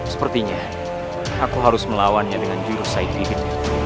sepertinya aku harus melawannya dengan jurus saibihim